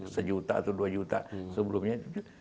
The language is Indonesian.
sejuta atau dua juta sebelumnya